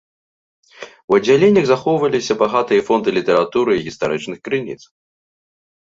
У аддзяленнях захоўваліся багатыя фонды літаратуры і гістарычных крыніц.